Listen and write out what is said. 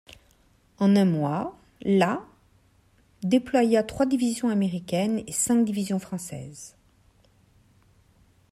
En un mois, la déploya trois divisions américaines et cinq divisions françaises.